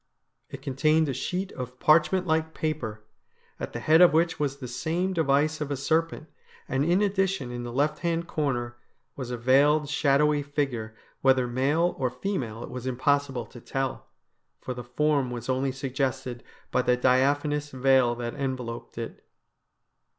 It contained a sheet of parchment like paper, at the head of which was the same de vice of a serpent, and in addition, in the left hand corner, was a veiled, shadowy figure, whether male or female it was impossible to tell, for the form was only suggested by the diaphanous veil that enveloped it.